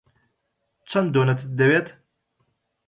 چەند دۆنەتت دەوێت؟